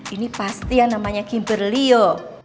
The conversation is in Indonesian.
ini pasti yang namanya kimberly yo